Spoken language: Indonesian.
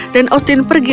dan austin pergi